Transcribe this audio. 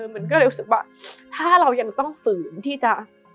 มันก็เลยรู้สึกว่าถ้าเรายังต้องฝืนที่จะ